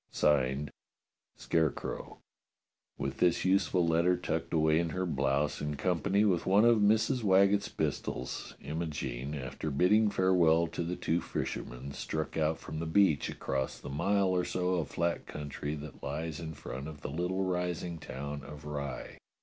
[Signed] Scarecrow. With this useful letter tucked away in her blouse in company with one of Mrs. Waggetts' pistols, Imogene, after bidding farewell to the two fishermen, struck out from the beach across the mile or so of flat country that lies in front of the little rising town of Rye.